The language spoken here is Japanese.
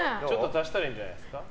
足したらいいんじゃないですか。